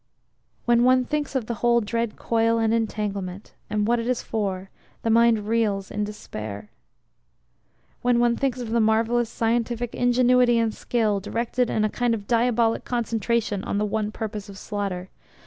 When one thinks of the whole dread Coil and Entanglement, and, what it is for, the mind reels in despair. When one thinks of the marvellous scientific ingenuity and skill, directed in a kind of diabolic concentration on the one purpose of slaughter.